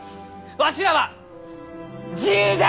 わしらは自由じゃ！